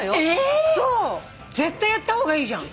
絶対やった方がいいじゃん！